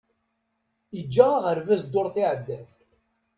Iǧǧa aɣerbaz ddurt iεeddan.